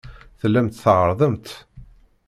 Tellamt tɛerrḍemt.